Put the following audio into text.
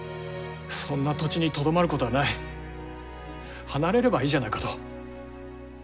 そんな土地にとどまることはない離れればいいじゃないかと。